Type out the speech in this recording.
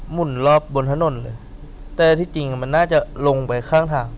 หุ่นรอบบนถนนเลยแต่ที่จริงมันน่าจะลงไปข้างทาง